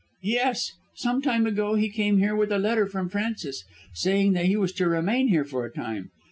"Yes. Some time ago he came here with a letter from Francis, saying that he was to remain here for a time.